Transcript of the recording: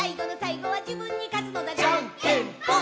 「じゃんけんぽん！！」